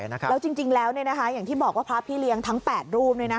แล้วจริงแล้วอย่างที่บอกว่าพระพี่เลี้ยงทั้ง๘รูป